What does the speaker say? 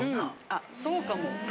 あそうかも。